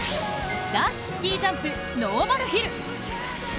男子スキージャンプノーマルヒル。